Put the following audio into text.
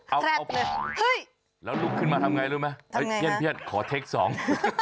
เอาพอแล้วลุกขึ้นมาทำอย่างไรรู้ไหมเอ้ยเยี่ยมเพียสขอเทคสอง